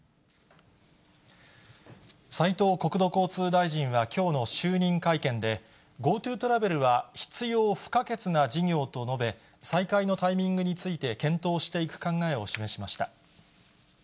斉藤国土交通大臣はきょうの就任会見で、ＧｏＴｏトラベルは必要不可欠な事業と述べ、再開のタイミングについて検討していく考えを示しました。